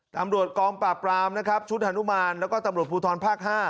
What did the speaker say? ตำรวจกองปราบปรามนะครับชุดฮานุมานแล้วก็ตำรวจภูทรภาค๕